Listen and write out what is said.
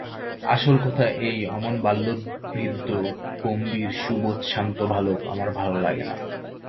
আসল কথা এই, অমন বাল্যবৃদ্ধ গম্ভীর সুবোধ শান্ত বালক আমার ভালো লাগে না।